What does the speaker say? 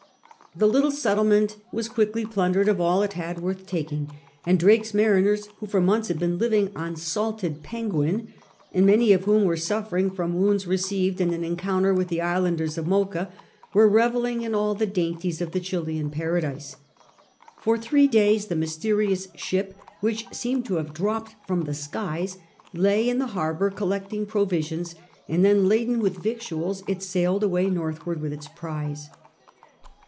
The little settlement was quickly plundered of all it had worth taking, and Drake's mariners, who for months had been living on salted pen guin, and many of whom were suffering from wounds re ceived in an encounter with the islanders of Mocha, were revelling in all the dainties of the Chilian paradise. For three days the mysterious ship, which seemed to have dropped from the skies, lay in the harbour collect ing provisions, and then, laden with victuals, it sailed away northward with its prize.